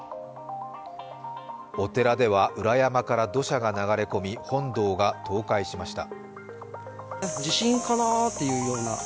お寺では裏山から土砂が流れ込み本堂が倒壊しました。